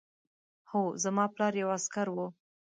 هو زما پلار یو عسکر و